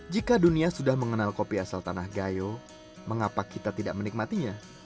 jika dunia sudah mengenal kopi asal tanah gayo mengapa kita tidak menikmatinya